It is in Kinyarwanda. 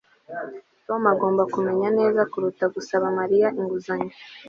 Tom agomba kumenya neza kuruta gusaba Mariya inguzanyo